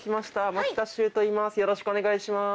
よろしくお願いします。